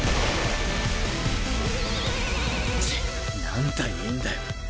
何体いんだよ。